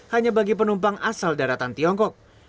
hanya bagi penumpang asal daratan tiongkok